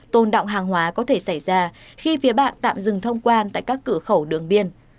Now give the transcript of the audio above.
tôn đọng hàng hóa có thể xảy ra khi phía bạn tạm dừng thông quan tại các cửa khẩu đường biên